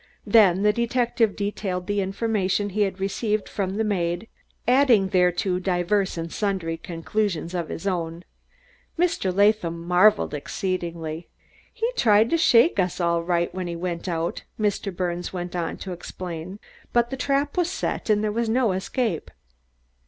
Then the detective detailed the information he had received from the maid, adding thereto divers and sundry conclusions of his own. Mr. Latham marveled exceedingly. "He tried to shake us all right when he went out," Mr. Birnes went on to explain, "but the trap was set and there was no escape."